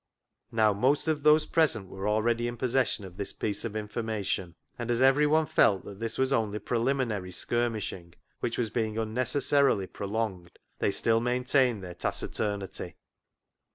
Now, most of those present were already in possession of this piece of information, and as every one felt that this was only preliminary skirmishing, which was being unnecessarily pro longed, they still maintained their taciturnity.